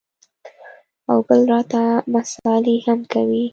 او بل راته مسالې هم کوې.